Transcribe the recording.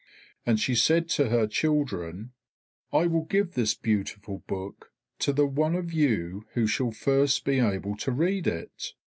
And she said to her children, "I will give this beautiful book to the one of you who shall first be able to read it."